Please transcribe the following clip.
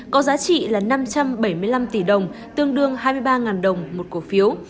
có giá trị là năm trăm bảy mươi năm tỷ đồng tương đương hai mươi ba đồng một cổ phiếu